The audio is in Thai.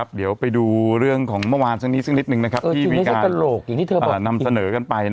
เดี๋ยวไปดูเรื่องของเมื่อวานสักนี้สักนิดนึงที่มีการนำเสนอกันไป